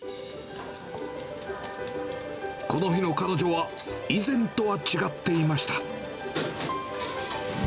この日の彼女は、以前とは違っていました。